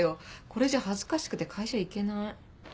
これじゃ恥ずかしくて会社行けない。